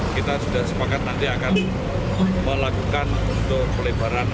kita sudah sepakat nanti akan melakukan untuk pelebaran